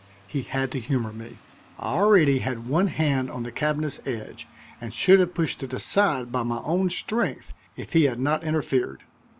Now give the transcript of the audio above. He had to humor me. I already had one hand on the cabinet's edge, and should have pushed it aside by my own strength if he had not interfered.